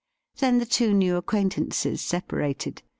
Then the two new acquaintances separated.